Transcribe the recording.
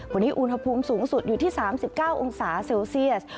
วันนี้อุณหภูมิสูงสุดอยู่ที่๓๙องศาเซลเซียส